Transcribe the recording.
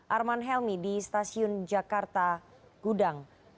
arman helmi di stasiun jakarta gudang